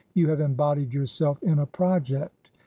. You have embodied yourself in a project.